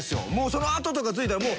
その跡とかついたらもう。